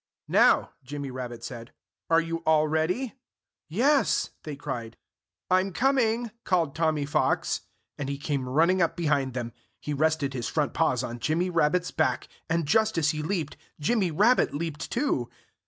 "Now!" Jimmy Rabbit said, "are you all ready?" "Yes," they cried. "I'm coming!" called Tommy Fox. And he came running up behind them. He rested his front paws on Jimmy Rabbit's back. And just as he leaped, Jimmy Rabbit leaped too.